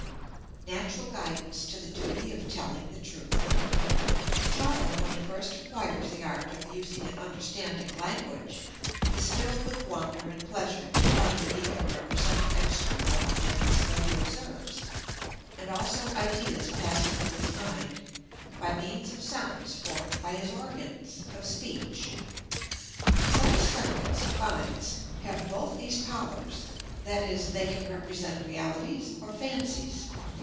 Natural Guidance to the Duty of telling the Truth. The child, when he first acquires the art of using and understanding language, is filled with wonder and pleasure to find that he can represent external objects that he observes, and also ideas passing through his mind, by means of sounds formed by his organs of speech. Such sounds, he finds, have both these powers that is, they can represent realities or fancies.